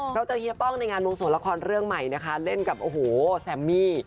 เราเจอเฮียป้องในงานวงสวงละครเรื่องใหม่นะคะเล่นกับโอ้โหแซมมี่